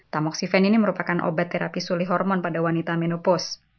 tamoksifen ini merupakan obat terapi sulih hormon pada wanita menopos